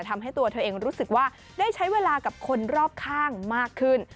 ทำให้ตัวเธอเองรู้สึกว่าได้ใช้เวลากับคนรอบข้างมากขึ้น